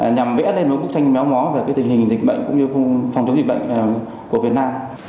nhằm vẽ lên một bức tranh méo mó về tình hình dịch bệnh cũng như phòng chống dịch bệnh của việt nam